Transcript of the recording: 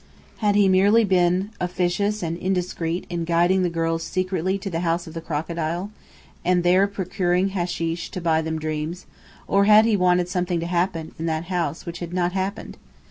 Had he merely been officious and indiscreet in guiding the girls secretly to the House of the Crocodile, and there procuring hasheesh to buy them dreams, or had he wanted something to happen, in that house, which had not happened?